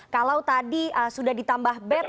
kalau tadi sudah ditambah bed